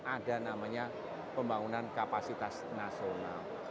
ada namanya pembangunan kapasitas nasional